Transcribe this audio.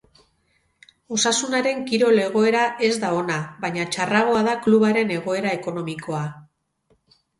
Osasunaren kirol egoera ez da ona, baina txarragoa da klubaren egoera ekonomikoa.